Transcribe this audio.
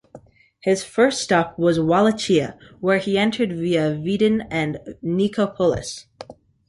His first stop was Wallachia, which he entered via Vidin and Nicopolis.